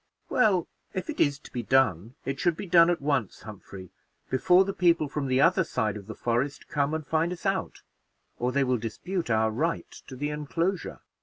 "Well, if it is to be done, it should be done at once, Humphrey, before the people from the other side of the forest come and find us out, or they will dispute our right to the inclosure."